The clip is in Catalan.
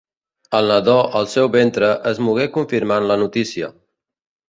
El nadó al seu ventre es mogué confirmant la notícia.